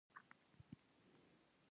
خلک باید ځنګلونه وساتي.